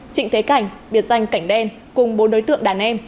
trịnh thế cảnh biệt danh cảnh đen cùng bốn đối tượng đàn em